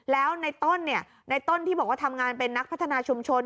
แล้วในต้นเนี่ยในต้นที่บอกว่าทำงานเป็นนักพัฒนาชุมชน